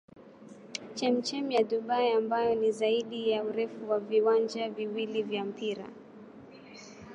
Chemchemi ya Dubai ambayo ni zaidi ya urefu wa viwanja viwili vya mpira.